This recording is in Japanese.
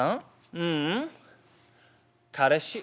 「ううん。彼氏」。